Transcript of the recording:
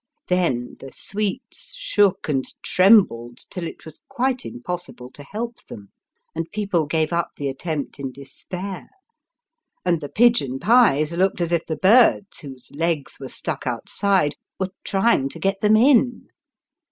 Then, the sweets shook and trembled, till it was quite impossible to help them, and people gave up the attempt in despair ; and the pigeon pies looked as if the birds, whose legs were stuck outside, were trying to get them in.